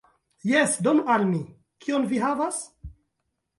"Jes, donu al mi. Kion vi havas?"